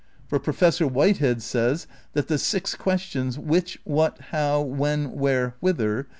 For Professor White head says that the six questions Which? What? How? When? Where? Whither?